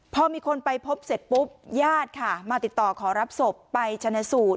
พอมีคนไปพบเสร็จปุ๊บญาติค่ะมาติดต่อขอรับศพไปชนะสูตร